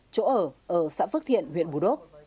chỗ ở ở xã phước thiện huyện bù đốc